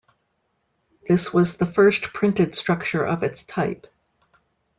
This was the first printed structure of its type.